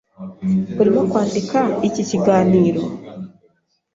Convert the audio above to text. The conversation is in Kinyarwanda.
Urimo kwandika iki kiganiro?